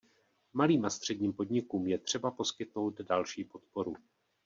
Malým a středním podnikům je třeba poskytnout další podporu.